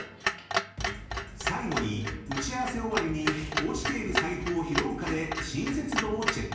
［最後に打ち合わせ終わりに落ちている財布を拾うかで親切度をチェック］